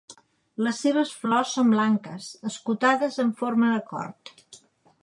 Les seves flors són blanques, escotades amb forma de cor.